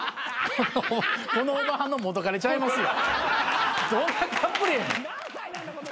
このおばはんの元カレちゃいますよ。